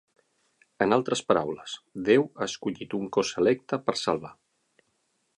En altres paraules, Déu ha escollit un cos electe per salvar.